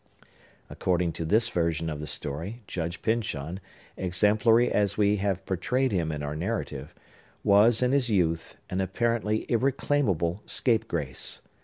According to this version of the story, Judge Pyncheon, exemplary as we have portrayed him in our narrative, was, in his youth, an apparently irreclaimable scapegrace.